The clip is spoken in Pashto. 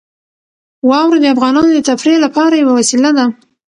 واوره د افغانانو د تفریح لپاره یوه وسیله ده.